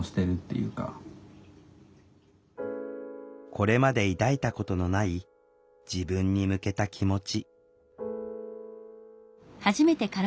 これまで抱いたことのない自分に向けた気持ち。